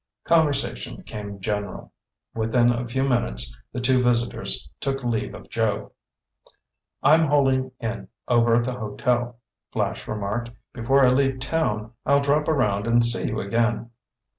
Conversation became general. Within a few minutes the two visitors took leave of Joe. "I'm holing in over at the hotel," Flash remarked. "Before I leave town I'll drop around and see you again."